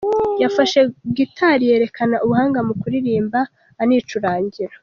Yafashe ‘guitar’ yerekana ubuhanga mu kuririmba anicurangira.